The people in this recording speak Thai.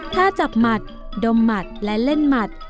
ถ้าจับหมัดดมหมัดและเล่นหมัด